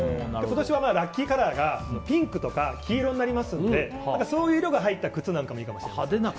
今年はラッキーカラーがピンクとか黄色になりますのでそういう色が入った靴なんかもいいかもしれません。